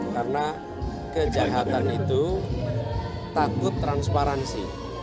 karena kejahatan itu takut transparansi